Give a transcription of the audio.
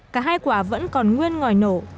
cả hai quả vẫn còn nguyên ngòi nổ